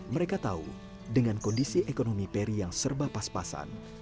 mereka tahu dengan kondisi ekonomi peri yang serba pas pasan